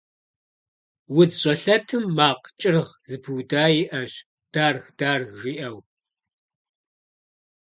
УдзщӀэлъэтым макъ кӀыргъ зэпыуда иӀэщ, «дарг-дарг», жиӀэу.